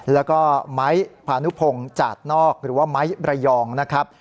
แล้วก็ไม้พานุพงศ์จาดนอกหรือว่าไม้ระยองนะครับ